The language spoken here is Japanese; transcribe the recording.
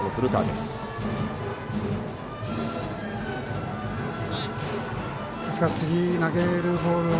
ですから次投げるボール